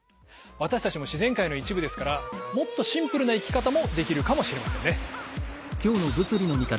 私たちも自然界の一部ですからもっとシンプルな生き方もできるかもしれませんね。